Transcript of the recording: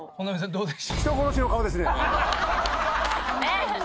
どうでした？ねえ！